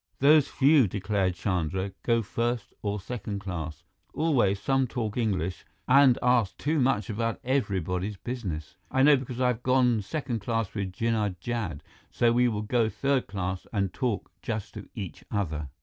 "Those few," declared Chandra, "go first or second class. Always, some talk English and ask too much about everybody's business. I know, because I have gone second class with Jinnah Jad. So we will go third class and talk just to each other."